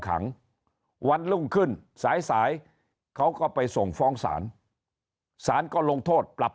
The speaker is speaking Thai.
ขังวันรุ่งขึ้นสายสายเขาก็ไปส่งฟ้องศาลศาลก็ลงโทษปรับ